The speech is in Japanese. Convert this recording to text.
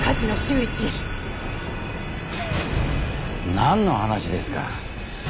なんの話ですか？